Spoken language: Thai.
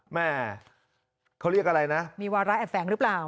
แม่เขาเรียกอะไรนะมีวาระแอบแฝงหรือเปล่า